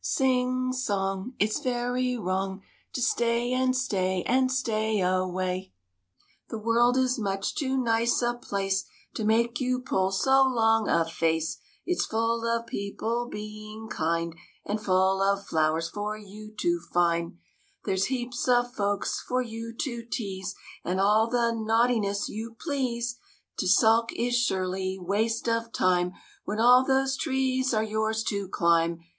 Sing song ! It 's very wrong To stay and stay and stay away ! The world is much too nice a place To make you pull so long a face ; It 's full of people being kind, And full of flowers for you to find ; There 's heaps of folks for you to tease And all the naughtiness you please ; To sulk is surely waste of time When all those trees are yours to climb